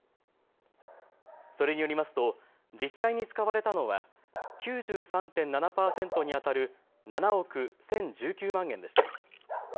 それによりますと実際に使われたのは９３．７％にあたる７億１０１９万円でした。